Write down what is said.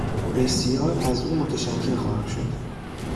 بسیار از او متشکر خواهم شد